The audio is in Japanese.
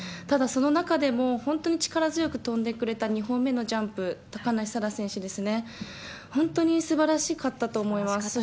ただ、その中でも、本当に力強く飛んでくれた２本目のジャンプ、高梨沙羅選手ですね、本当にすばらしかったと思います。